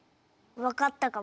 わかったかも。